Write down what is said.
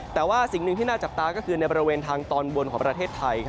แต่ว่าสิ่งหนึ่งที่น่าจับตาก็คือในบริเวณทางตอนบนของประเทศไทย